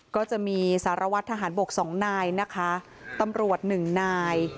ก็จะมีสารวัตรทหารบก๒นายนะคะตำรวจ๑นาย